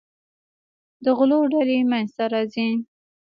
د غلو ډلې منځته راځي.